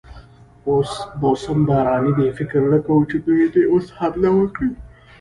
اوس موسم باراني دی، فکر نه کوم چې دوی دې اوس حمله وکړي.